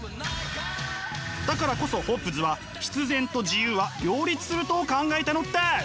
だからこそホッブズは必然と自由は両立すると考えたのです！